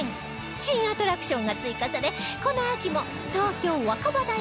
新アトラクションが追加されこの秋も東京若葉台で開催中